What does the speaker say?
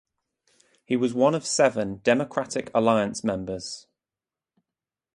He was one of seven Democratic Alliance members.